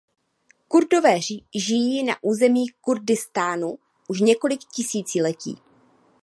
Kurdové žijí na území Kurdistánu už několik tisíciletí.